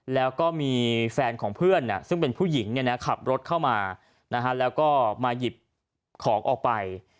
แล้วก็มีแฟนของเพื่อนซึ่งเป็นผู้หญิงขับรถเข้ามาแล้วก็มาหยิบของออกไป